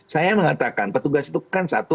saya mengatakan petugas itu kan satu